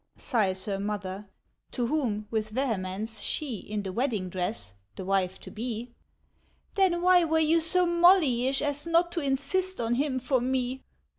Sighs her mother. To whom with vehemence she In the wedding dress—the wife to be— "Then why were you so mollyish As not to insist on him for me!"